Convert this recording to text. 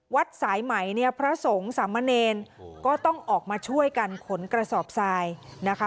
วัดสายไหมเนี่ยพระสงฆ์สามเณรก็ต้องออกมาช่วยกันขนกระสอบทรายนะคะ